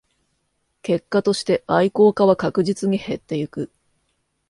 結果として愛好家は確実に減っていく